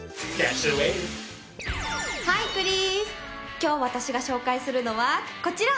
今日私が紹介するのはこちら！